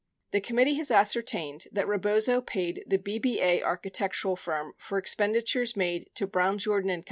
96 The committee has ascertained that Rebozo paid the BBA archi tectural firm for expenditures made to Brown Jordan Co.